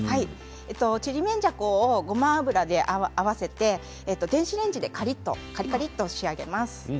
ちりめんじゃこをごま油で合わせて電子レンジでカリカリと仕上げます。